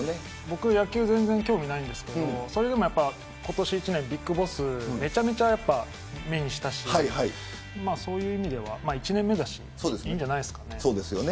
野球、全然興味ないんですけどそれでも、今年一年ＢＩＧＢＯＳＳはめちゃめちゃ目にしたしそういう意味では１年目だしいいんじゃないですかね。